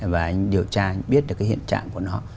và anh điều tra biết được hiện trạng của nó